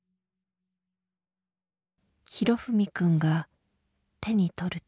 裕史くんが手に取ると。